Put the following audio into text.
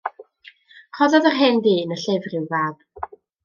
Rhoddodd yr hen ddyn y llyfr i'w fab.